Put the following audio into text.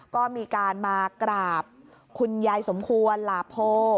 ก็มีการมากราบคุณยายสมควรหลาโพ